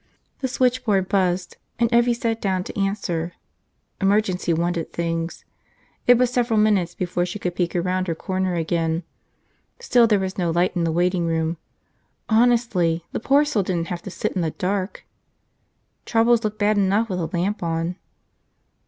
The switchboard buzzed and Evvie sat down to answer. Emergency wanted things. It was several minutes before she could peek around her corner again. Still there was no light in the waiting room. Honestly! – the poor soul didn't have to sit in the dark! Troubles looked bad enough with a lamp on.